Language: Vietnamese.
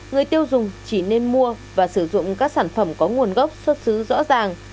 người tiêu dùng chỉ nên mua và sử dụng các sản phẩm có nguồn gốc xuất xứ rõ ràng